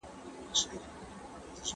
کارخانې څنګه د تولید سیستم کنټرولوي؟